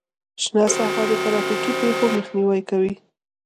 شنه ساحه د ترافیکي پیښو مخنیوی کوي